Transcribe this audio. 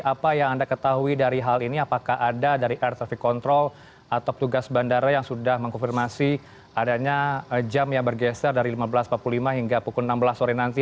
apa yang anda ketahui dari hal ini apakah ada dari air traffic control atau petugas bandara yang sudah mengkonfirmasi adanya jam yang bergeser dari lima belas empat puluh lima hingga pukul enam belas sore nanti